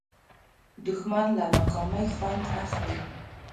دښمن له ناکامۍ خوند اخلي